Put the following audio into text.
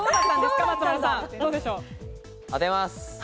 当てます。